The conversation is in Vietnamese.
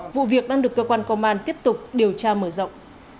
vụ việc đang được cơ quan công an tiếp tục điều tra mở rộng